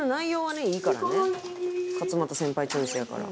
「勝俣先輩チョイスやから」